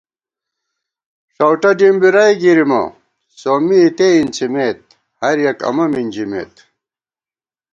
ݭَؤٹہ ڈِمبِرَئی گِرِمہ سومّی اِتےاِنڅِمېت، ہَریَک امہ مِنژِمېت